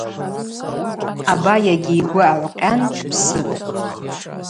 Абайагьи йгвы агӏвкъьан дпсытӏ.